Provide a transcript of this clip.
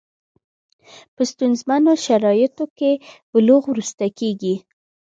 په ستونزمنو شرایطو کې بلوغ وروسته کېږي.